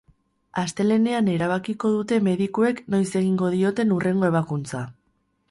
Astelehenean erabakiko dute medikuek noiz egingo dioten hurrengo ebakuntza.